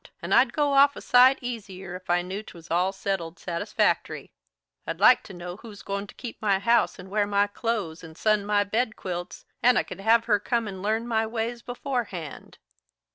And I'd go off a sight easier if I knew 'twas all settled satisfactory. I'd like to know who's goin' to keep my house and wear my clothes and sun my bed quilts, and I could have her come and learn my ways beforehand."